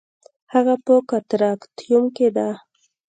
هغه په کاتاراکتیوم کې ده